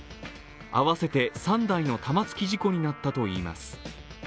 合わせて３台の玉突き事故になったといいます。